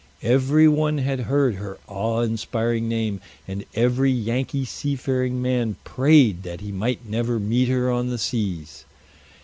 Every one had heard her awe inspiring name, and every Yankee seafaring man prayed that he might never meet her on the seas.